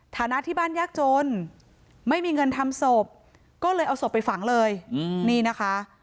ฐานะที่บ้านยากจนไม่มีเงินทำศพก็เลยเอาศพไปฝังเลยนี่นะคะ